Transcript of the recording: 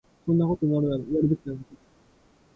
こんなことになるなら、やるべきではなかった